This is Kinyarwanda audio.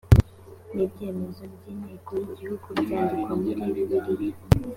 n ibyemezo by inteko y igihugu byandikwa muri bibiliya